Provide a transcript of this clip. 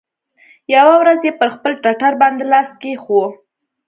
يوه ورځ يې پر خپل ټټر باندې لاس کښېښوو.